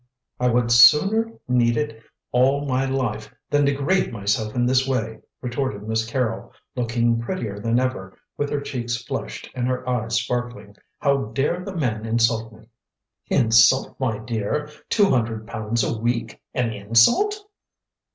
"I would sooner need it all my life than degrade myself in this way," retorted Miss Carrol, looking prettier than ever with her cheeks flushed and her eyes sparkling. "How dare the man insult me!" "Insult, my dear? Two hundred pounds a week an insult?"